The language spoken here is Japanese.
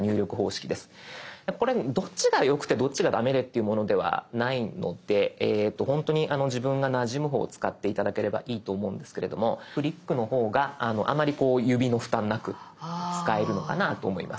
これどっちがよくてどっちが駄目でっていうものではないのでえっとほんとに自分がなじむ方を使って頂ければいいと思うんですけれどもフリックの方があまりこう指の負担なく使えるのかなと思います。